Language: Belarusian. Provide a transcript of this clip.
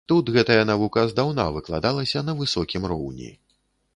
Тут гэтая навука здаўна выкладалася на высокім роўні.